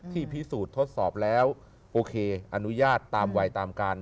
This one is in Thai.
พิสูจน์ทดสอบแล้วโอเคอนุญาตตามวัยตามการ